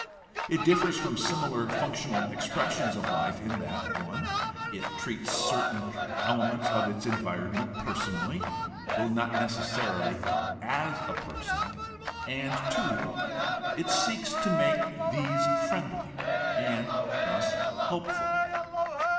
It differs from similar functional expressions of life in that (i) it treats certain elements of its environment personally (though not necessarily as a person), and (2) it seeks to make these friendly and so helpful.